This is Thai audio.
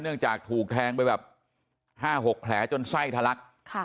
จากถูกแทงไปแบบ๕๖แผลจนไส้ทะลัก